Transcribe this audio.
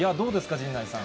陣内さん。